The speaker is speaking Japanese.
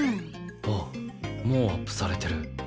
あっもうアップされてる。